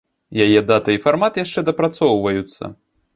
Яе дата і фармат яшчэ дапрацоўваюцца.